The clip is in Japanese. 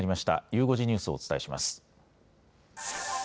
ゆう５時ニュースをお伝えします。